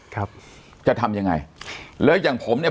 ครับจะทำยังไงแล้วอย่างผมเนี่ย